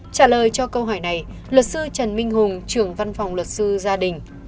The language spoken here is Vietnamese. trả lời cho câu hỏi này luật sư trần minh hùng trưởng văn phòng luật sư gia đình